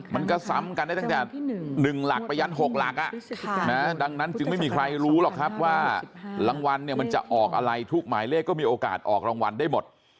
มันก็ซ้ำกันได้ตั้งแต่๑หลักไปยัน๖หลักดังนั้นจึงไม่มีใครรู้หรอกครับว่ารางวัลเนี่ยมันจะออกอะไรทุกหมายเลขก็มีโอกาสออกรางวัลได้หมด